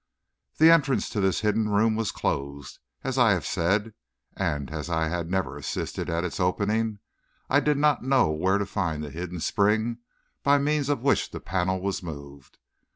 The entrance to this hidden room was closed, as I have said, and as I had never assisted at its opening, I did not know where to find the hidden spring by means of which the panel was moved.